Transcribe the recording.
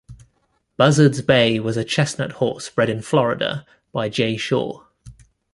Buzzards Bay was a chestnut horse bred in Florida by Jay Shaw.